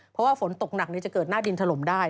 เพราะว่าฝนตกหนักจะเกิดหน้าดินถล่มได้